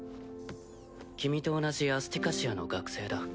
君と同じアスティカシアの学生だ。